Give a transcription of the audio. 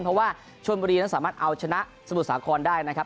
เพราะว่าชนบุรีนั้นสามารถเอาชนะสมุทรสาครได้นะครับ